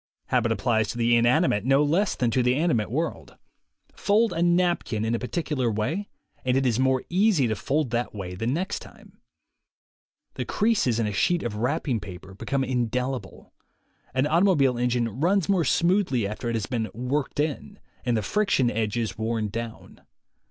Habit applies to the inanimate no less than to the animate world. Fold a napkin in a particular way and it is more easy to fold that way the next time. The creases in a sheet of wrapping paper become indelible. An automobile engine runs more smoothly after it has been "worked in," and the friction edges worn down.